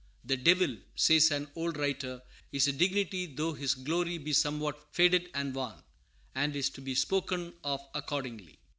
"The Devil," says an old writer, "is a dignity, though his glory be somewhat faded and wan, and is to be spoken of accordingly."